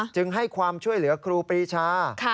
จึงให้ความช่วยเหลือครูปรีชา